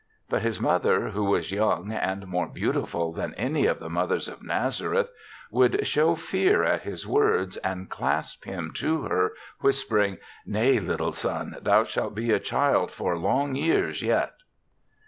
But his mother, who was young and more beautiful than any of the mothers of Nazareth, would show fear at his words and clasp him to her, whisper ing, " Nay, little son, thou shalt be a child for long years yet."